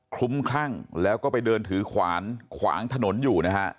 ลุ้มคลั่งแล้วก็ไปเดินถือขวานขวางถนนอยู่นะฮะ